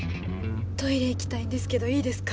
トイレ行きたいんですけどいいですか？